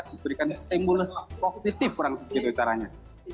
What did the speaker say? diberikan stimulus positif kurang lebih dari itu